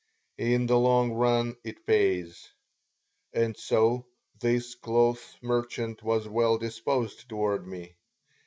In the long run it pays. And so this cloth merchant was well disposed toward me.